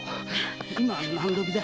今何時だ？